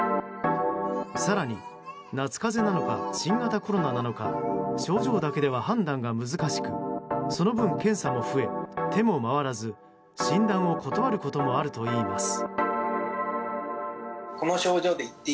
更に、夏風邪なのか新型コロナなのか症状だけでは判断が難しくその分、検査も増え、手も回らず診断を断ることもあるといいます。